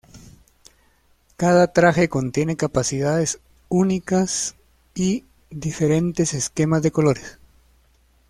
Cada traje contiene capacidades únicas y diferentes esquemas de colores.